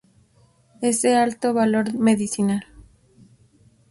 Es de alto valor medicinal.